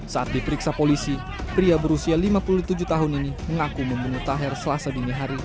saat diperiksa polisi pria berusia lima puluh tujuh tahun ini mengaku membunuh taher selasa dini hari